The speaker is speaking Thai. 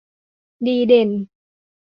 ดีเด่น